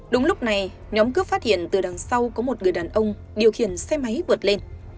đúng lúc này nhóm cướp phát hiện từ đằng sau có một người đàn ông điều khiển xe máy vượt lên